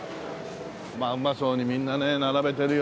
まあうまそうにみんなね並べてるよなあ。